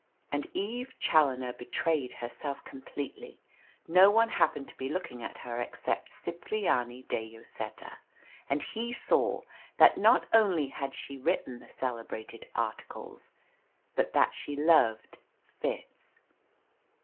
And Eve Challoner betrayed herself completely. No one happened to be looking at her except Cipriani de Lloseta, and he saw that not only had she written the celebrated articles, but that she loved Fitz.